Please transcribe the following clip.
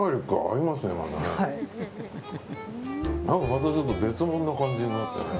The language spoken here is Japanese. またちょっと別物な感じになってね。